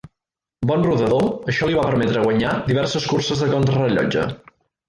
Bon rodador, això li va permetre guanyar diverses curses de contrarellotge.